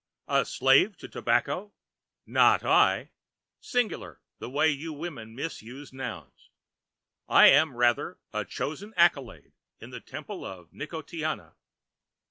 A slave to tobacco! Not I. Singular, the way you women misuse nouns. I am, rather, a chosen acolyte in the temple of Nicotiana.